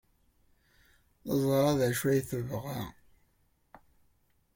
Teẓra d acu ay tebɣa.